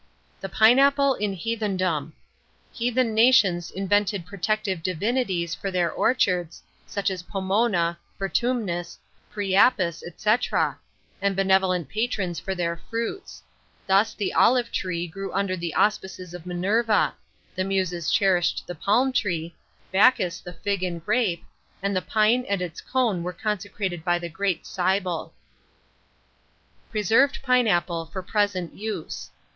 THE PINEAPPLE IN HEATHENDOM. Heathen nations invented protective divinities for their orchards (such as Pomona, Vertumnus, Priapus, &c.), and benevolent patrons for their fruits: thus, the olive tree grew under the auspices of Minerva; the Muses cherished the palm tree, Bacchus the fig and grape, and the pine and its cone were consecrated to the great Cyble. PRESERVED PINEAPPLE, for Present Use.